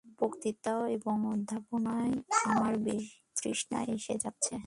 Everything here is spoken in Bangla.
বক্তৃতা এবং অধ্যাপনায় আমার বিতৃষ্ণা এসে যাচ্ছে।